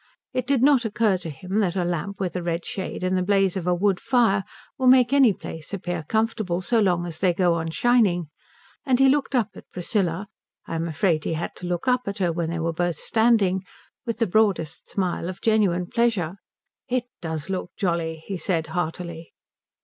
It did not occur to him that a lamp with a red shade and the blaze of a wood fire will make any place appear comfortable so long as they go on shining, and he looked up at Priscilla I am afraid he had to look up at her when they were both standing with the broadest smile of genuine pleasure. "It does look jolly," he said heartily.